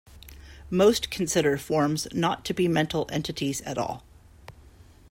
Most consider forms not to be mental entities at all.